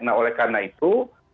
nah oleh karena itu